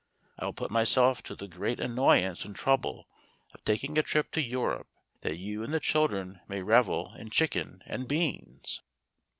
I will put myself to the great annoyance and trouble of taking a trip to Europe that you and the children may revel in chicken and beans."